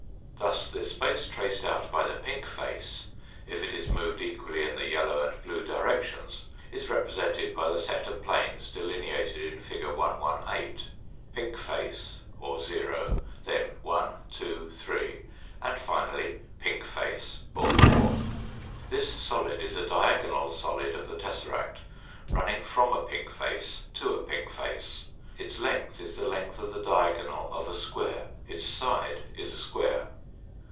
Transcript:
Thus the space traced out by the pink face, if it is moved equally in the yellow and blue directions, is repre sented by the set of planes delineated in Fig. 118, pink REMARKS ON TfiE FIGURES fade or 0, then 1, 2, 3, and finally pink face or 4. This solid is a diagonal solid of the tesseract, running from a pink face to a pink face. Its length is the length of the diagonal of a square, its side is a square.